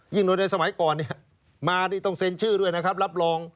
โดยในสมัยก่อนมานี่ต้องเซ็นชื่อด้วยนะครับรับรอง